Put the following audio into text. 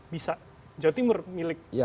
bisa jawa timur milik